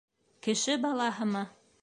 — Кеше балаһымы?